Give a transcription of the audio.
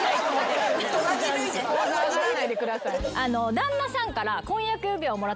旦那さんから。